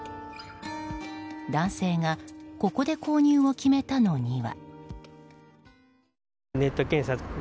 男性がここで購入を決めたのには。